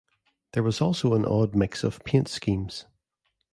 There was also an odd mix of paint schemes.